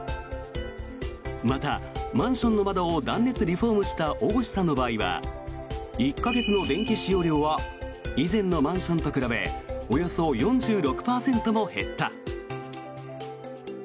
また、マンションの窓を断熱リフォームした生越さんの場合は１か月の電気使用量は以前のマンションと比べおよそ４６％も減った。